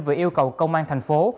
vừa yêu cầu công an thành phố